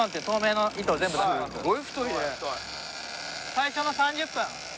最初の３０分。